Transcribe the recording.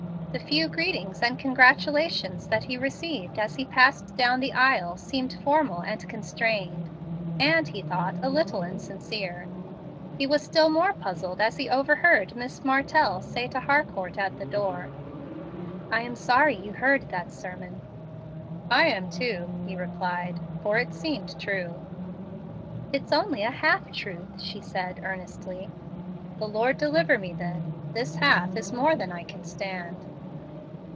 The few greetings and congratulations that he received as he passed down the aisle seemed formal and constrained, and, he thought, a little insincere. He was still more puzzled as he overheard Miss Martell say to Harcourt at the door, "I am sorry you heard that sermon." "I am, too," he replied, "for it seemed true." "It's only half truth," she said earnestly. "The Lord deliver me, then; this half is more than I can stand."